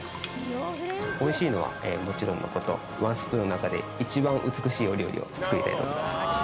おいしいのはもちろんのことワンスプーンの中で一番美しい料理を作りたいと思います。